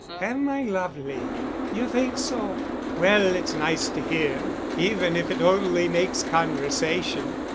"Am I lovely? You think so? Well—it's nice to hear even if it only makes conversation.